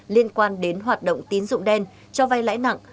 liên quan đến hoạt động tín dụng đen cho vay lãi nặng